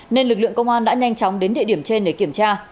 nên lực lượng công an đã nhanh chóng đến địa điểm trên để kiểm tra